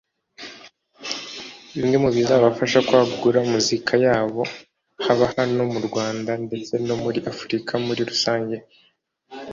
bimwe mu bizabafasha kwagura muzika yabo haba hano mu Rwanda ndetse no muri Afurika muri rusange